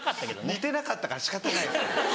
似てなかったから仕方ないですね。